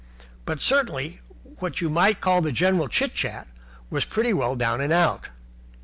But certainly what you might call the general chit chat was pretty well down and out.